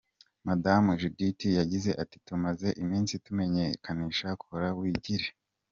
Madamu Judith yagize ati “Tumaze iminsi tumenyekanisha Kora Wigire.